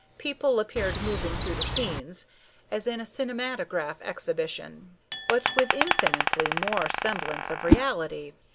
People appeared moving through the scenes, as in a cinematograph exhibition, but with infinitely more semblance of reality.